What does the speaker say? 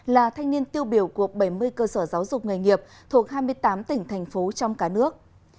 là thanh niên tiêu biểu của bảy mươi cơ sở giáo dục nghề nghiệp thuộc hai mươi tám tỉnh thành phố trong cả nước